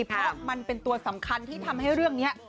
เพราะมันเป็นตัวสำคัญที่ทำให้เรื่องนี้